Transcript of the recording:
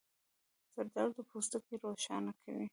زردالو د پوستکي روښانه کوي.